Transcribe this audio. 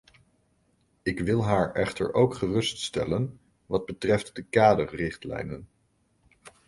Ik wil haar echter ook gerust stellen wat betreft de kaderrichtlijnen.